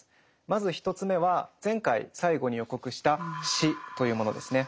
まず１つ目は前回最後に予告した「死」というものですね。